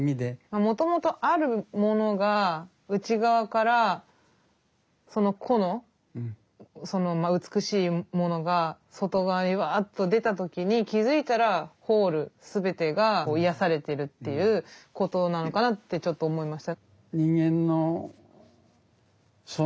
もともとあるものが内側からその個の美しいものが外側にうわっと出た時に気付いたらｗｈｏｌｅ全てが癒やされてるっていうことなのかなってちょっと思いました。